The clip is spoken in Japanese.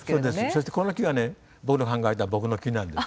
そしてこの木はね僕の考えた僕の木なんです。